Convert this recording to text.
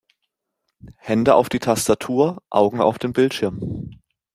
Hände auf die Tastatur, Augen auf den Bildschirm!